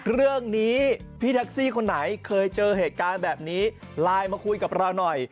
เรื่องนี้พี่แท็กซี่คนไหนเคยเจอเหตุการณ์แบบนี้ไลน์มาคุยกับเราหน่อย